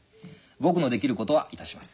僕もできることはいたします。